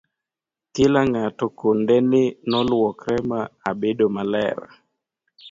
kila ng'ato kondeni noluokre ma abedomaler